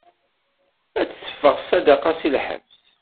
Ad d-teffeɣ ṣṣadaqa si lḥebs.